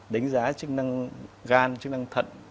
đánh giá chức năng gan chức năng thận